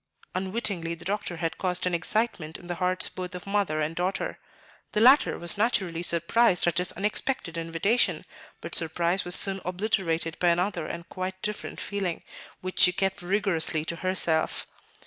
Unwittingly, the doctor had caused an excitement in the hearts both of mother and daughter. The latter was naturally surprised at his unexpected invitation, but surprise was soon obliterated by another and quite different feeling, which she kept rigorously to herself.